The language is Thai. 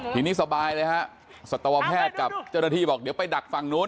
ทีนี้สบายเลยฮะสัตวแพทย์กับเจ้าหน้าที่บอกเดี๋ยวไปดักฝั่งนู้น